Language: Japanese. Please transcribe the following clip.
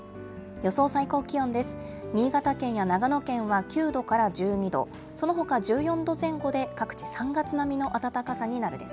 予想最高気温です。